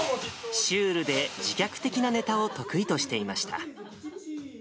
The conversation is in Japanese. シュールで自虐的なネタを得意としていました。